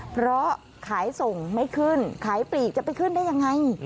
เพราะขายส่งไม่ขึ้นขายปลีกจะไปขึ้นได้ยังไง